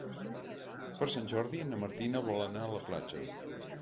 Per Sant Jordi na Martina vol anar a la platja.